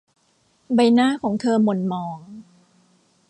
ใบหน้าของเธอหม่นหมอง